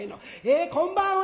えこんばんは！